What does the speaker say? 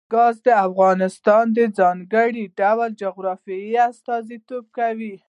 ګاز د افغانستان د ځانګړي ډول جغرافیه استازیتوب کوي.